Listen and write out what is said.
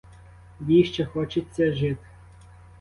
Їй ще хочеться жити.